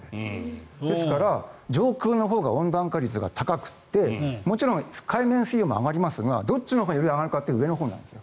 ですから、上空のほうが温暖化率が高くてもちろん海面水温も上がりますがどっちのほうがより上がるかというと上のほうなんです。